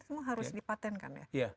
semua harus dipatenkan ya